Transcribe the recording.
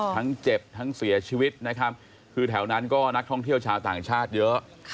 ทั้งเจ็บทั้งเสียชีวิตนะครับคือแถวนั้นก็นักท่องเที่ยวชาวต่างชาติเยอะ